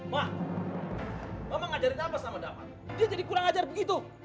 ma mama ngajarin apa sama damar dia jadi kurang ajar begitu